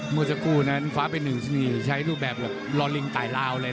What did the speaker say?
โมสาคุฟ้าเป็นหนึ่งใช้รูปแบบรสล้อนลิงตายราว